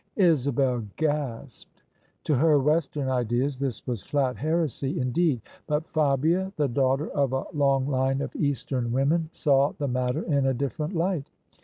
Isabel gasped. To her Western ideas this was flat heresy indeed: but Fabia, the daughter of a long line of Eastern OF ISABEL CARNABY women, saw the matter in a different light.